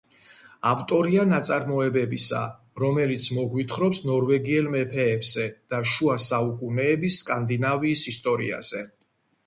ავტორია ნაწარმოებებისა, რომელიც მოგვითხრობს ნორვეგიელ მეფეებზე და შუა საუკუნეების სკანდინავიის ისტორიაზე.